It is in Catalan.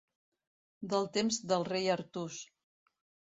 Del temps del rei Artús.